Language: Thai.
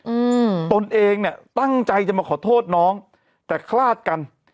อืมตนเองเนี้ยตั้งใจจะมาขอโทษน้องแต่คลาดกัน